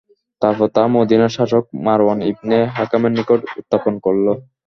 তারপর তা মদীনার শাসক মারওয়ান ইবনে হাকামের নিকট উত্থাপন করল।